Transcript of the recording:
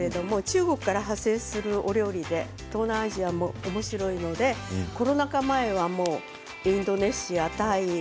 中国から発生するお料理、東南アジアもおもしろいのでコロナ禍前はインドネシア、タイ